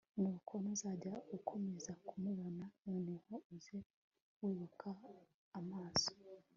nuko nuzajya ukomeza kumubona noneho uze wubika amaso